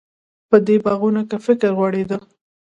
په دې باغونو کې فکر غوړېده.